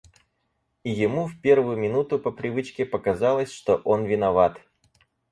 И ему в первую минуту по привычке показалось, что он виноват.